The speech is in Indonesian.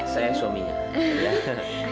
saya suaminya ndre